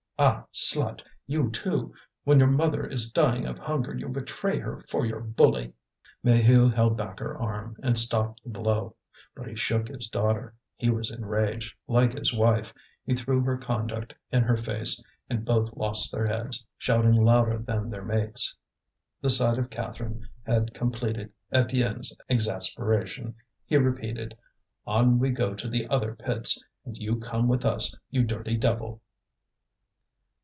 "Ah! slut! you, too! When your mother is dying of hunger you betray her for your bully!" Maheu held back her arm, and stopped the blow. But he shook his daughter; he was enraged, like his wife; he threw her conduct in her face, and both lost their heads, shouting louder than their mates. The sight of Catherine had completed Étienne's exasperation. He repeated: "On we go to the other pits, and you come with us, you dirty devil!"